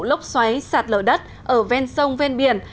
lốc xoáy sạt lở đất ở ven sông ven biển